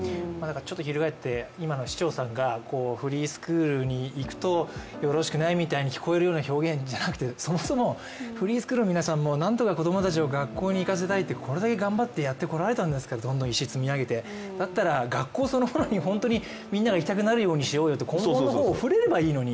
ひるがえって、今の市長さんがフリースクールに行くと、よろしくないみたいに聞こえる表現じゃなくてそもそもフリースクールの皆さんもなんとか子供たちを学校に行かせたいって、これだけ頑張ってやってこられたんですから、どんどん石を積み上げてだったら学校そのものにみんなが行きたくなるようにしようよって根本の方に触れればいいのに。